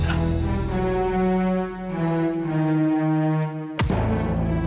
dikejap kejap kejap